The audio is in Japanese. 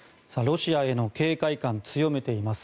ロシアへの警戒感を強めています